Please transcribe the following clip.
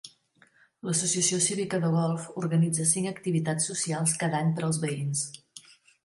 L'Associació Cívica de Golf organitza cinc activitats socials cada any per als veïns.